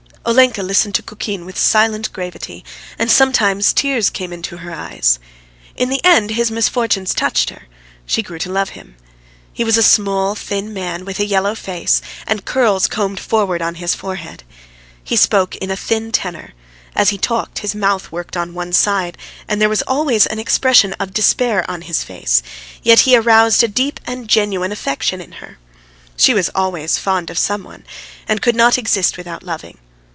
Olenka listened to Kukin with silent gravity, and sometimes tears came into her eyes. In the end his misfortunes touched her; she grew to love him. He was a small thin man, with a yellow face, and curls combed forward on his forehead. He spoke in a thin tenor; as he talked his mouth worked on one side, and there was always an expression of despair on his face; yet he aroused a deep and genuine affection in her. She was always fond of some one, and could not exist without loving.